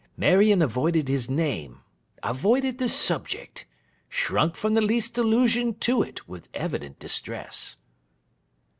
Marion avoided his name, avoided the subject: shrunk from the least allusion to it, with evident distress.